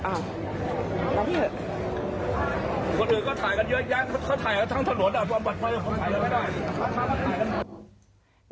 แต่ว่าที่นี่